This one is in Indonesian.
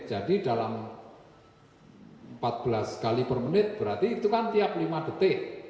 dalam empat belas kali per menit berarti itu kan tiap lima detik